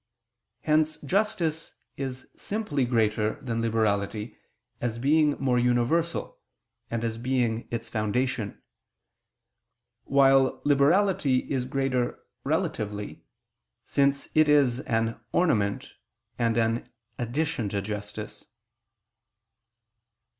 Hence justice is simply greater than liberality, as being more universal, and as being its foundation: while liberality is greater relatively since it is an ornament and an addition to justice.